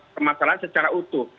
kematalan secara utuh